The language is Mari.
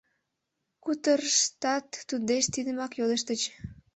Кутырыштат туддеч тидымак йодыштыч: